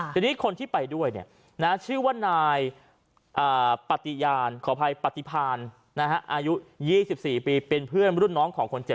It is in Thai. ทีนี้คนที่ไปด้วยชื่อว่านายปฏิญาณขออภัยปฏิพานอายุ๒๔ปีเป็นเพื่อนรุ่นน้องของคนเจ็บ